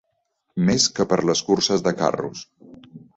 Més que per les curses de carros.